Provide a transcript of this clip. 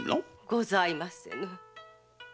ございません。